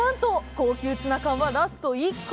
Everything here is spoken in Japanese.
高級ツナ缶はラスト１個！